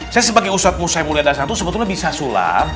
saya sebagai ustadz musaymulia dasantu sebetulnya bisa sulap